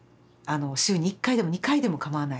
週に１回でも２回でもかまわない。